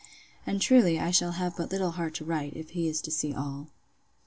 And truly, I shall have but little heart to write, if he is to see all.